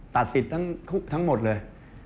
ตัดสิทธิ์ทั้งหมดเลย